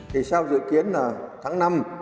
thì sao dự kiến là tháng năm